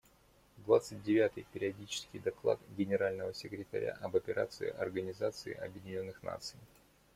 Двадцать девятый периодический доклад Генерального секретаря об Операции Организации Объединенных Наций.